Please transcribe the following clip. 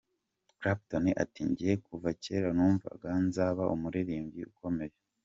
Clapton ati, “Njye kuva cyera numvaga nzaba umuririmbyi ukomeye.